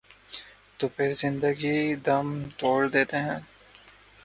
تو پھر زندگی دم توڑ دیتی ہے۔